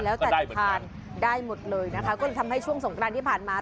แล้วแต่จะทานได้หมดเลยนะคะก็เลยทำให้ช่วงสงครานที่ผ่านมา